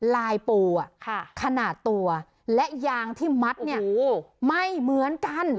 ลายปูขนาดตัวและยางที่มัดเนี่ยไม่เหมือนกัน